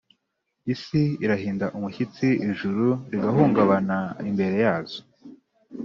Isi irahinda umushyitsi, ijuru rigahungabana imbere yazo!